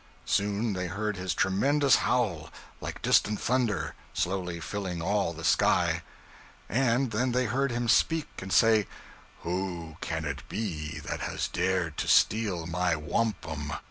Soon they heard his tremendous howl, like distant thunder, slowly filling all the sky; and then they heard him speak and say, 'Who can it be that has dared to steal my wampum?